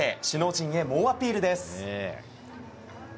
首脳陣へ猛アピールです。